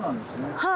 はい。